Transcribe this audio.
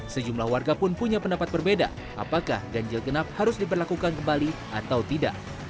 sejumlah warga pun punya pendapat berbeda apakah ganjil genap harus diperlakukan kembali atau tidak